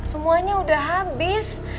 semuanya udah habis